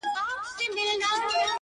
دا روڼه ډېــوه مي پـه وجـود كي ده’